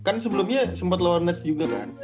kan sebelumnya sempet lawan nets juga kan